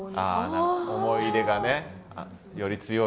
ああ思い入れがねより強いと。